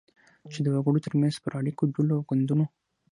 چی د وګړو ترمنځ پر اړیکو، ډلو او ګوندونو